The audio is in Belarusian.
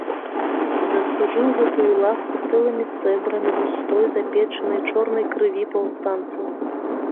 Заслужыў гэтую ласку цэлымі цэбрамі густой, запечанай, чорнай крыві паўстанцаў.